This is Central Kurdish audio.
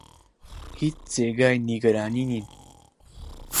هیچ جێگەی نیگەرانی نین.